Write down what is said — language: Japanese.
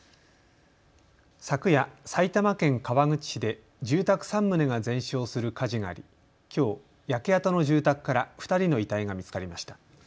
昨夜、埼玉県川口市で住宅３棟が全焼する火事がありきょう焼け跡の住宅から２人の遺体が見つかりました。